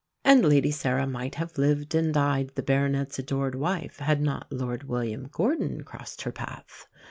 And Lady Sarah might have lived and died the baronet's adored wife had not Lord William Gordon crossed her path.